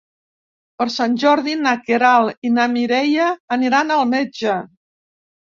Per Sant Jordi na Queralt i na Mireia aniran al metge.